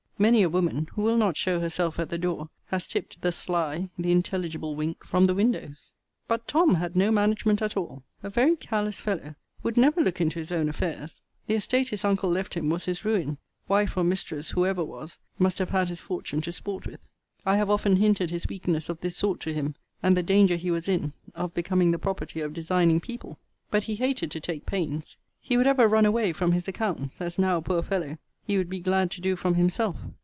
Many a woman, who will not show herself at the door, has tipt the sly, the intelligible wink from the windows. But Tom. had no management at all. A very careless fellow. Would never look into his own affairs. The estate his uncle left him was his ruin: wife, or mistress, whoever was, must have had his fortune to sport with. I have often hinted his weakness of this sort to him; and the danger he was in of becoming the property of designing people. But he hated to take pains. He would ever run away from his accounts; as now, poor fellow! he would be glad to do from himself.